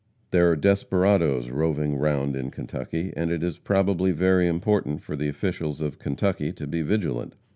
There are desperadoes roving round in Kentucky, and it is probably very important for the officials of Kentucky to be vigilant.